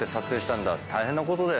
大変なことだよね。